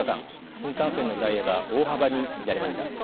新幹線のダイヤが大幅に乱れました。